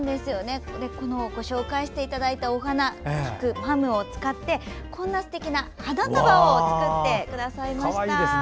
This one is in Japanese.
ご紹介していただいたお花菊、マムを使ってすてきな花束を作っていただきました。